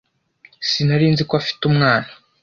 Sinari nzi ko afite umwana.